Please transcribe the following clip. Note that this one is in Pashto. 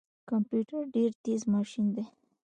کمپيوټر ډیر تیز ماشین دی